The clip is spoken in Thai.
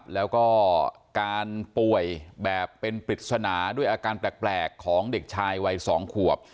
แล้วก็การป่วยแบบเป็นปริศนาด้วยอาการแปลกของเด็กชายวัย๒ขวบ